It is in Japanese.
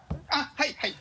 はいはい。